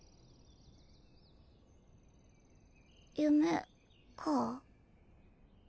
夢か。